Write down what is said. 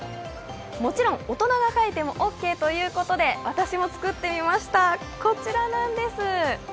もちろん大人が描いてもオーケーということで私も作ってみました、こちらなんです。